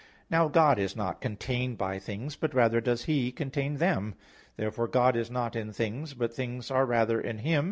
Now God is not contained by things, but rather does He contain them. Therefore God is not in things but things are rather in Him.